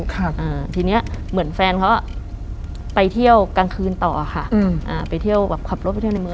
ครับอ่าทีเนี้ยเหมือนแฟนเขาอ่ะไปเที่ยวกลางคืนต่อค่ะอืมอ่าไปเที่ยวแบบขับรถไปเที่ยวในเมือง